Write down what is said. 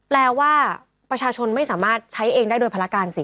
แปลว่าประชาชนไม่สามารถใช้เองได้โดยภารการสิ